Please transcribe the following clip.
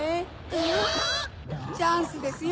ニャ⁉チャンスですよ！